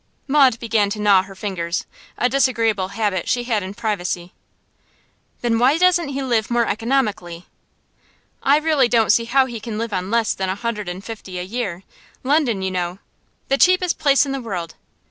Maud began to gnaw her fingers, a disagreeable habit she had in privacy. 'Then why doesn't he live more economically?' 'I really don't see how he can live on less than a hundred and fifty a year. London, you know ' 'The cheapest place in the world.